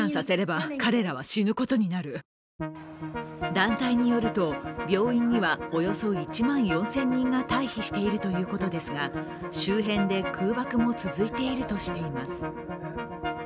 団体によると、病院にはおよそ１万４０００人が退避しているということですが周辺で空爆も続いているとしています。